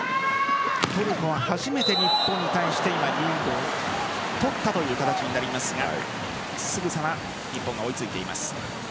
トルコは初めて日本に対してリードを取ったという形になりますがすぐさま日本が追いついています。